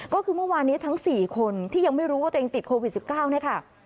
ก็คือเมื่อวานนี้ทั้ง๔คนที่ยังไม่รู้ว่าตัวเองติดโควิด๑๙เนี่ยค่ะ